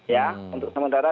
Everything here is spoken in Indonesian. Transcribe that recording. ya untuk sementara